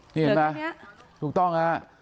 เห็นมั้ยถูกต้องฮะ